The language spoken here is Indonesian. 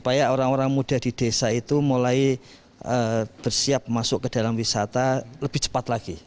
jadi orang orang muda di desa itu mulai bersiap masuk ke dalam wisata lebih cepat lagi